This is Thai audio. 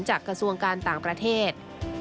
กระทรวงการต่างประเทศ